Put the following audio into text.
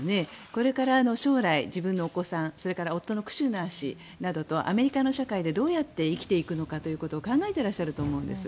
これから将来、自分のお子さんそして夫のクシュナー氏とアメリカの社会でどうやって生きていくのかということを考えていらっしゃると思うんです。